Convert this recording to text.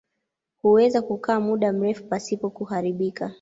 Huweza kukaa muda mrefu pasipo kuharibika.